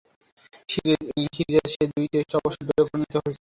সিরিজের শেষ দুই টেস্ট অবশ্য ড্রয়ে পরিণত হয়েছিল।